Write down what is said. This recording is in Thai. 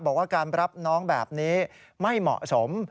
บอกว่าการรับน้องแบบนี้ไม่เหมาะสม